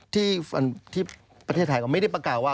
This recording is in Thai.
ที่ประเทศไทยก็ไม่ได้ประกาศว่า